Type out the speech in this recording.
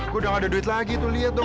gue udah gak ada duit lagi tuh lihat dong